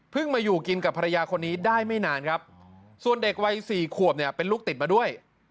มาอยู่กินกับภรรยาคนนี้ได้ไม่นานครับส่วนเด็กวัยสี่ขวบเนี่ยเป็นลูกติดมาด้วย